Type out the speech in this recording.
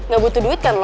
gak butuh duit kan lo